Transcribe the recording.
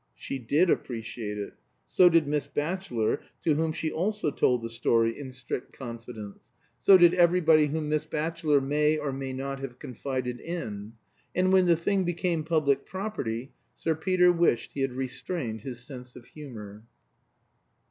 She did appreciate it. So did Miss Batchelor, to whom she also told the story (in strict confidence). So did everybody whom Miss Batchelor may or may not have confided in. And when the thing became public property, Sir Peter wished he had restrained his sense of humor.